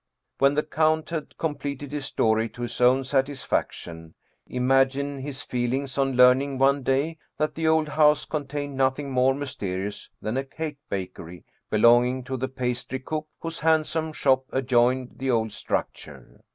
When the count had completed his story to his own satis faction, imagine his feelings on learning one day that the old house contained nothing more mysterious than a cake 134 Ernest Theodor Amadeus Hoffmann bakery belonging to the pastry cook whose handsome shop adjoined the old structure.